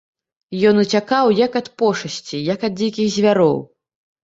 Ён уцякаў, як ад пошасці, як ад дзікіх звяроў.